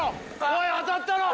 おい当たったろ！